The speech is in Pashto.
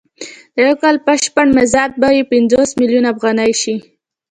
د یو کال بشپړ مزد به یې پنځوس میلیونه افغانۍ شي